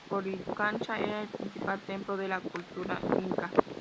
El Coricancha era el principal templo de la cultura inca.